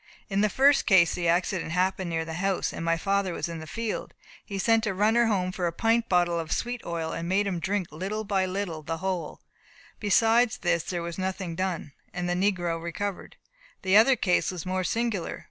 In the first case the accident happened near the house, and my father was in the field. He sent a runner home for a pint bottle of sweet oil, and made him drink by little and little the whole. Beside this there was nothing done, and the negro recovered. The other case was more singular.